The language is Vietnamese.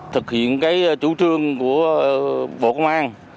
thực hiện cái chủ trương của bộ công an